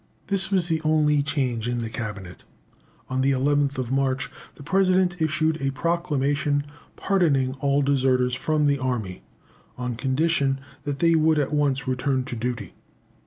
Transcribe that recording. This was the only change in the Cabinet. On the 11th March, the President issued a proclamation, pardoning all deserters from the army, on condition that they would at once return to duty.